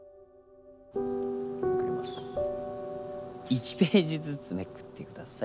「１ページずつめくってください」。